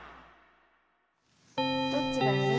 どっちがやる？